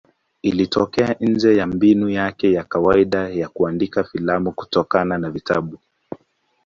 Ilitoka nje ya mbinu yake ya kawaida ya kuandika filamu kutokana na vitabu.